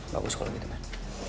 bagus kalau gitu man